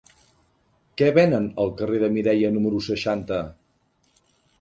Què venen al carrer de Mireia número seixanta?